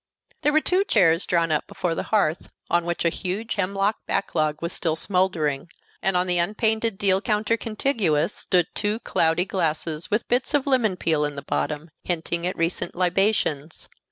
There were two chairs drawn up before the hearth, on which a huge hemlock back log was still smoldering, and on the unpainted deal counter contiguous stood two cloudy glasses with bits of lemon peel in the bottom, hinting at recent libations.